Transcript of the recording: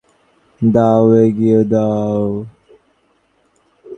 দাও এগিয়ে দাও।